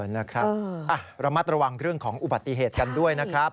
นะครับระมัดระวังเรื่องของอุบัติเหตุกันด้วยนะครับ